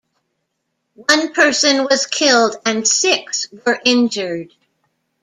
One person was killed and six were injured.